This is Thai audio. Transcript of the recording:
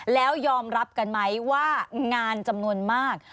แล้วยอมรับกันไหมว่างานจำนวนมาก